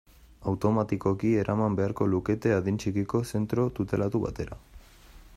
Automatikoki eraman beharko lukete adin txikiko zentro tutelatu batera.